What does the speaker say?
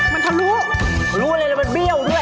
มันทะลุอะไรน่ะมันเบี้ยวด้วย